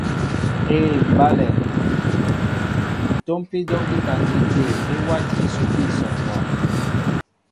Éē mbálɛ, ǹ tómpí dɔ́kita ní tê ejí e wátí ǹsukí ǹsɔǹɔ.